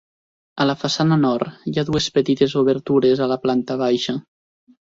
A la façana nord, hi ha dues petites obertures a la planta baixa.